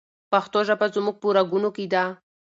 پښتو ژبه زموږ په رګونو کې ده.